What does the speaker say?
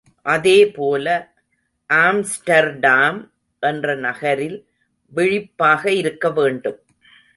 அதே போல ஆம்ஸ்டர்டாம் என்ற நகரில் விழிப்பாக இருக்கவேண்டும்.